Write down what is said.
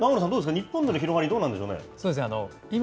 日本での広がりどうなんでしょうね。